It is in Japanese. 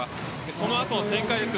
その後の展開です。